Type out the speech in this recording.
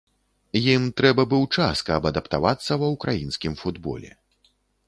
Ім трэба быў час, каб адаптавацца ва ўкраінскім футболе.